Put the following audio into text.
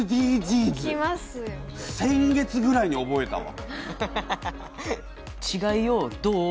先月ぐらいに覚えたわ。